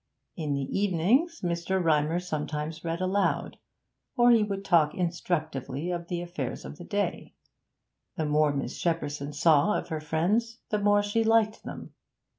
In the evenings Mr. Rymer sometimes read aloud, or he would talk instructively of the affairs of the day. The more Miss Shepperson saw of her friends the more she liked them.